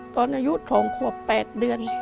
ตอนอายุ๒ขวบ๘เดือน